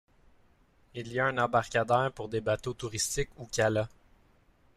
Il y a un embarcadère pour des bateaux touristiques ou cala.